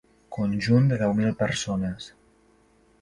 Conjunt de deu mil persones.